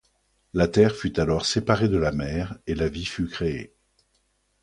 La Terre fut alors séparée de la mer et la vie fut créée.